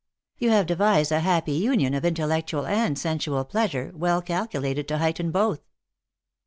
" You have devised a happy union of intellectual and sensual pleasure, well calculated to heighten both."